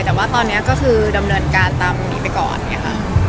แต่ว่าตอนนี้ก็คือดำเนินการตามตรงนี้ไปก่อนอย่างนี้ค่ะ